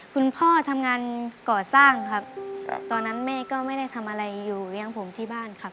คุณพ่อทำงานก่อสร้างครับตอนนั้นแม่ก็ไม่ได้ทำอะไรอยู่เลี้ยงผมที่บ้านครับ